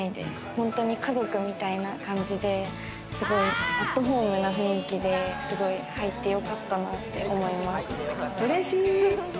ほんとに家族みたいな感じで、すごいアットホームな雰囲気ですごい入ってよかったなって思います。